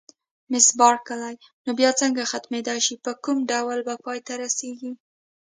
مس بارکلي: نو بیا څنګه ختمېدای شي، په کوم ډول به پای ته رسېږي؟